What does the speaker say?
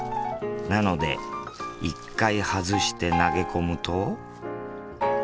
なので一回外して投げ込むと。